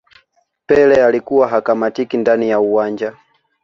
pele alikuwa hakamatiki ndani ya uwanja